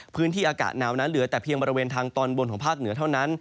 พื้นที่อากาศหนาวนั้นเหลือแต่เพียงบริเวณทางตอนบนของภาคเหนือเท่านั้น